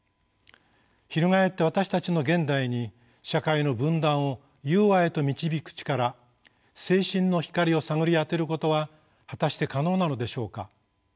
翻って私たちの現代に社会の分断を融和へと導く力精神の光を探り当てることは果たして可能なのでしょうか。